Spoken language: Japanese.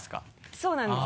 そうなんです。